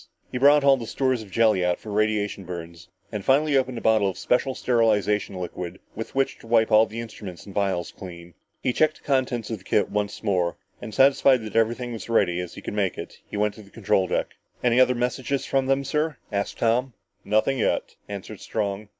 He brought all the stores of jelly out for radiation burns and finally opened a bottle of special sterilization liquid with which to wipe all the instruments and vials clean. He checked the contents of the kit once more, and, satisfied that everything was as ready as he could make it, he went up to the control deck. "Any other message from them yet, sir?" asked Tom. "Nothing yet," answered Strong.